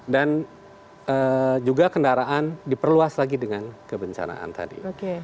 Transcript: dan juga kendaraan diperluas lagi dengan kebencanaan tadi